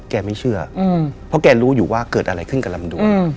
ไม่เชื่อเพราะแกรู้อยู่ว่าเกิดอะไรขึ้นกับลำดวน